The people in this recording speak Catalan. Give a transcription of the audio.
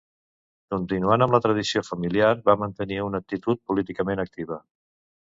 Continuant amb la tradició familiar, va mantenir una actitud políticament activa.